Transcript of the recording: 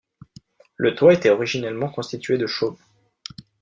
Le toit était origienellement constitué de chaume.